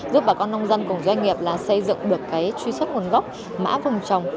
giúp bà con nông dân cùng doanh nghiệp là xây dựng được cái truy xuất nguồn gốc mã vùng trồng